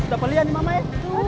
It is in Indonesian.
sudah pelian nih mama ya